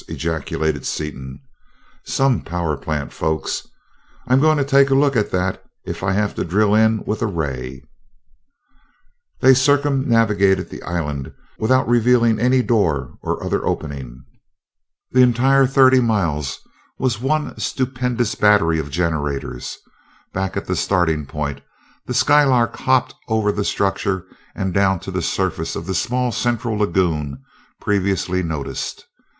ejaculated Seaton. "Some power plant! Folks, I'm going to take a look at that if I have to drill in with a ray!" [Illustration: Some power plant! Folks, I'm going to take a look at that....] They circumnavigated the island without revealing any door or other opening the entire thirty miles was one stupendous battery of the generators. Back at the starting point, the Skylark hopped over the structure and down to the surface of the small central lagoon previously noticed.